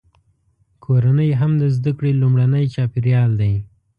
کورنۍ هم د زده کړې لومړنی چاپیریال دی.